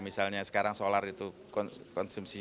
misalnya sekarang solar itu konsumsi